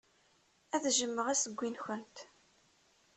Ad jjmeɣ assewwi-nwent.